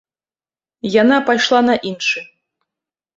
Яна пайшла на іншы.